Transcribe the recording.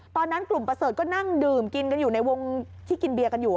ตอนนั้นกลุ่มประเสริฐก็นั่งดื่มกินกันอยู่ในวงที่กินเบียร์กันอยู่